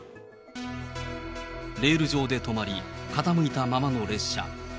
レール上で止まり、傾いたままの列車。